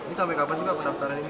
ini sampai kapan juga pendaftaran ini